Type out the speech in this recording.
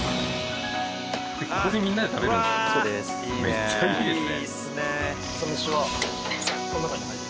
めっちゃいいですね。